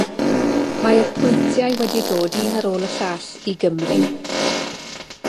Mae'r pwyntiau wedi dod un ar ôl y llall i Gymru.